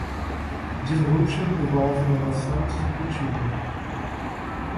Disruption envolve inovação disruptiva.